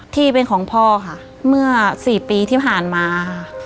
ที่เป็นของพ่อค่ะเมื่อ๔ปีที่ผ่านมาค่ะ